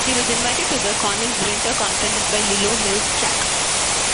He was invited to the Konigswinter conferences by Lilo Milchsack.